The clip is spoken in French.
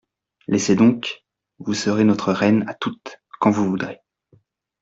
Laissez donc, vous serez notre reine à toutes, quand vous voudrez.